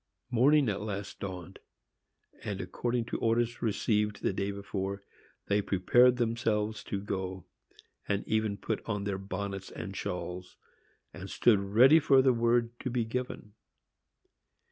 Morning at last dawned, and, according to orders received the day before, they prepared themselves to go, and even put on their bonnets and shawls, and stood ready for the word to be given.